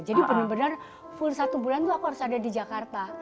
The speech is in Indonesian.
jadi benar benar full satu bulan itu aku harus ada di jakarta